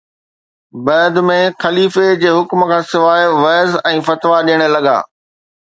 بعد ۾ خليفي جي حڪم کان سواءِ وعظ ۽ فتوا ڏيڻ لڳا